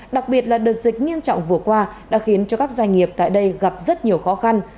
đặc biệt là đợt dịch nghiêm trọng vừa qua đã khiến cho các doanh nghiệp tại đây gặp rất nhiều khó khăn